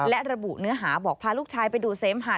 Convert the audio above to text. และระบุเนื้อหาบอกพาลูกชายไปดูเสมหะ